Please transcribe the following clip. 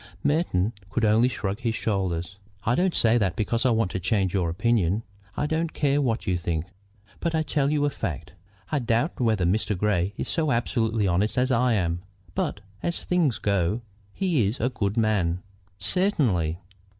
Merton could only shrug his shoulders. "I don't say that because I want you to change your opinion. I don't care what you think. But I tell you a fact. I doubt whether Grey is so absolutely honest as I am, but, as things go, he is a good man." "Certainly."